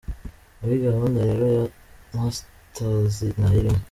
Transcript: Muri gahunda rero iya masters ntayirimo.